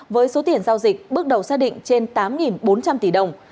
với số tiền giao dịch bước đầu xác định trên tám bốn trăm linh tỷ đồng